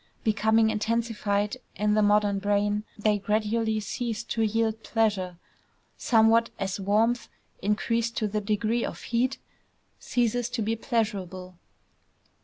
Becoming intensified in the modern brain, they gradually ceased to yield pleasure, somewhat as warmth increased to the degree of heat ceases to be pleasurable.